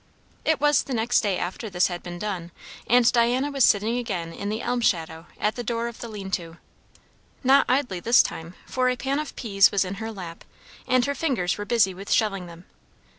It was the next day after this had been done; and Diana was sitting again in the elm shadow at the door of the lean to. Not idly this time; for a pan of peas was in her lap, and her fingers were busy with shelling them.